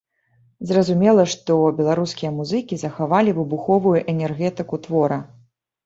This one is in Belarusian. Зразумела, што беларускія музыкі захавалі выбуховую энергетыку твора.